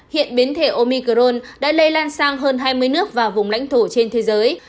hiện biến thể omicron đã lây lan sang hơn hai mươi nước và vùng lãnh thổ trên thế giới